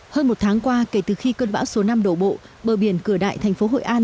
hơn một tháng qua kể từ khi cơn bão số năm đổ bộ bờ biển cửa đại thành phố hội an